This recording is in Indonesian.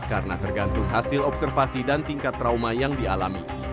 karena tergantung hasil observasi dan tingkat trauma yang dialami